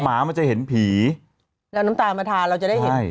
หมามันจะเห็นผีแล้วน้ำตาลมาทานเราจะได้เห็น